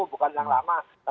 bukan yang lama